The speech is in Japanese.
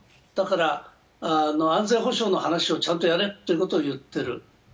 だから安全保障の話をちゃんとやれということを言っている。